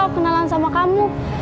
aku lupa kenalan sama kamu